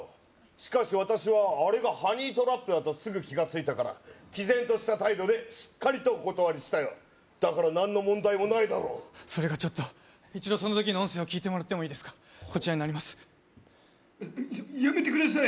しかし私はあれがハニートラップだとすぐ気がついたから毅然とした態度でしっかりとお断りしたよだから何の問題もないだろうそれがちょっと一度その時の音声を聞いてもらってもいいですかこちらになりますやめてください